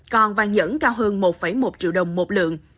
còn vàng nhẫn cao hơn một một triệu đồng một lượng